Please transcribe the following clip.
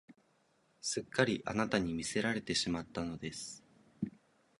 すっかりあなたに魅せられてしまったのです